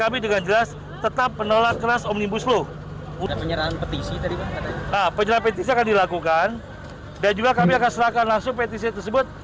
nah penyerah petisi akan dilakukan dan juga kami akan serahkan langsung petisi tersebut